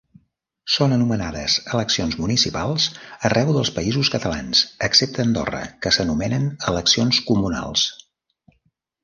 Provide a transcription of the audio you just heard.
Són anomenades eleccions municipals arreu dels Països Catalans, excepte a Andorra que s'anomenen eleccions comunals.